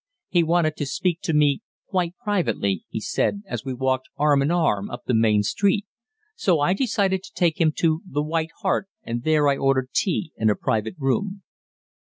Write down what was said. He wanted to speak to me "quite privately," he said as we walked arm in arm up the main street, so I decided to take him to the "White Hart," and there I ordered tea in a private room.